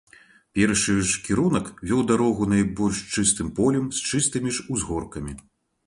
Першы ж кірунак вёў дарогу найбольш чыстым полем, з чыстымі ж узгоркамі.